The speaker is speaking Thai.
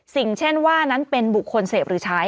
เช่นว่านั้นเป็นบุคคลเสพหรือใช้